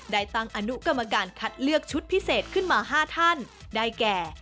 ได้ตั้งอนุกรรมการคัดเลือกชุดพิเศษขึ้นมา๕ท่านได้แก่